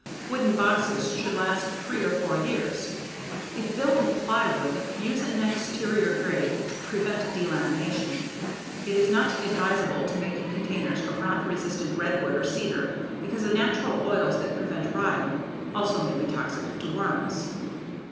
Wooden boxes should last three or four years. If built of plywood, use an exterior grade to prevent delamination. It is not advisable to make containers from rot resistant redwood or cedar because the natural oils that prevent rotting also may be toxic to worms.